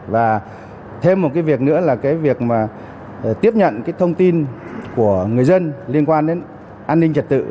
và thêm một cái việc nữa là cái việc mà tiếp nhận cái thông tin của người dân liên quan đến an ninh trật tự